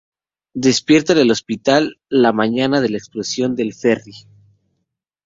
Despierta en el hospital la mañana de la explosión del ferry.